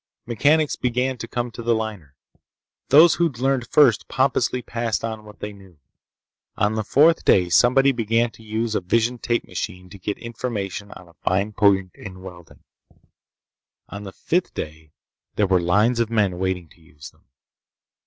Mechanics began to come to the liner. Those who'd learned first pompously passed on what they knew. On the fourth day somebody began to use a vision tape machine to get information on a fine point in welding. On the fifth day there were lines of men waiting to use them.